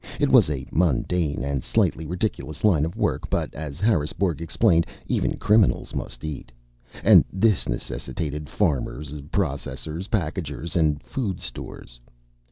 It was a mundane and slightly ridiculous line of work; but, as Harrisbourg explained, even criminals must eat. And this necessitated farmers, processors, packagers, and food stores.